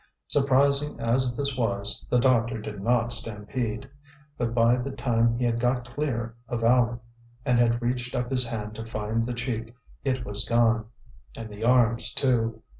Surprising as this was, the doctor did not stampede; but by the time he had got clear of Aleck and had reached up his hand to find the cheek, it was gone, and the arms, too.